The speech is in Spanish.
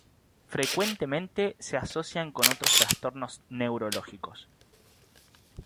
Frecuentemente se asocian con otros trastornos neurológicos.